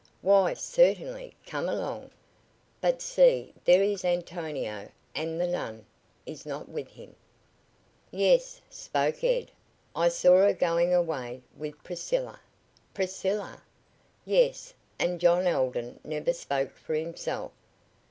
"Why, certainly. Come along. But see, there is Antonio and the nun is not with him." "Yes," spoke Ed. "I saw her go away with Priscilla." "Priscilla?" "Yes; and John Alden never spoke for himself."